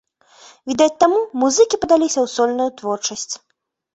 Відаць таму, музыкі падаліся ў сольную творчасць.